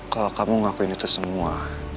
kalau kamu ngakuin itu semua